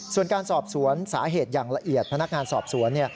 ส่วนการสอบสวนสาเหตุอย่างละเอียดพนักงานสอบสวน